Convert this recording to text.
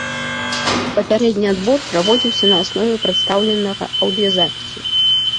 Папярэдні адбор праводзіўся на аснове прадстаўленага аўдыёзапісу.